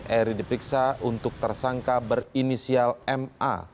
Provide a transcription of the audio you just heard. eri diperiksa untuk tersangka berinisial ma